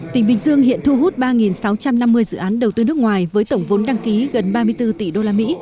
tỉnh bình dương hiện thu hút ba sáu trăm năm mươi dự án đầu tư nước ngoài với tổng vốn đăng ký gần ba mươi bốn tỷ usd